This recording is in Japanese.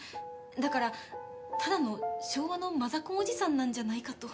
だからただの昭和のマザコンおじさんなんじゃないかと。